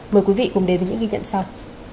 mời quý vị cùng đến với những ghi nhận sau